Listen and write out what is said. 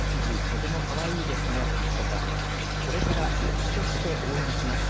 とても可愛いですね！とか、これから推しとして応援します！！